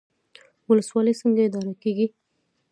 ولسوالۍ څنګه اداره کیږي؟